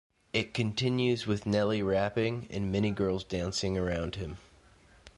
It continues with Nelly rapping, and many girls dancing around him.